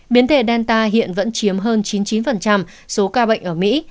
biến thể delta hiện vẫn chiếm hơn chín mươi chín số ca bệnh ở mỹ